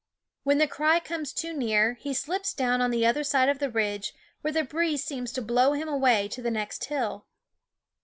When the cry comes too near he slips down on the other side of the ridge, where the breeze seems to blow him away to the next hill.